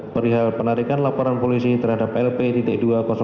perihal penarikan laporan polisi terhadap lp dua satu dua ribu enam belas direkt sektorta